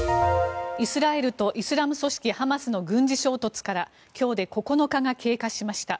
イスラエルとイスラム組織ハマスの軍事衝突から今日で９日が経過しました。